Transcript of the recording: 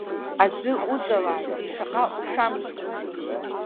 Аӡы уҵалааит, шаҟа ушамзи!